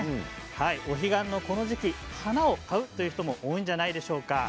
お彼岸のこの時期花を買うという方も多いのではないでしょうか。